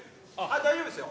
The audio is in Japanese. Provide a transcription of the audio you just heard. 大丈夫ですよ。